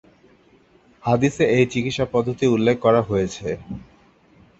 হাদিসে এই চিকিৎসা পদ্ধতি উল্লেখ করা হয়েছে।